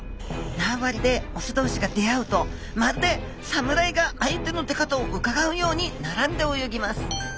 縄張りでオス同士が出会うとまるでさむらいが相手の出方をうかがうように並んで泳ぎます。